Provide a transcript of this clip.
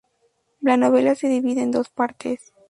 La novela se divide en dos partes.